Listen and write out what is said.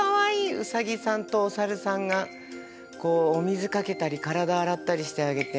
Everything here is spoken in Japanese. ウサギさんとお猿さんがこうお水かけたり体洗ったりしてあげて。